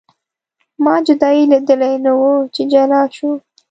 ما جدایي لیدلې نه وه چې جلا شو.